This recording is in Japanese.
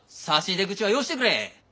差し出口はよしてくれ。